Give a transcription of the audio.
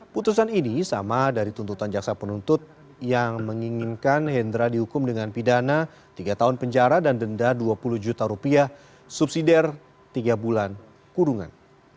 putusan ini sama dari tuntutan jaksa penuntut yang menginginkan hendra dihukum dengan pidana tiga tahun penjara dan denda dua puluh juta rupiah subsidiar tiga bulan kurungan